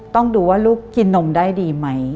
ต้องดูว่าลูกกินนมได้ดีไหม